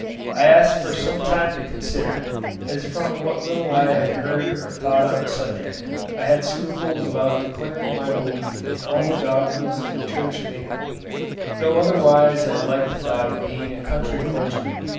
I asked for some time to consider, as from what little I had heard or thought on the subject I had scruples about declaring my belief in all the dogmas of the Church of England; though otherwise I liked the thought of being a country clergyman.